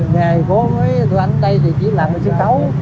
ngày phố với tụi anh ở đây thì chỉ làm một sân khấu